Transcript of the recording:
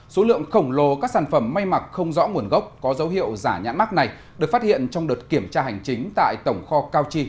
số lượng khổng lồ các sản phẩm may mặc không rõ nguồn gốc có dấu hiệu giả nhãn mát này được phát hiện trong đợt kiểm tra hành chính tại tổng kho cao chi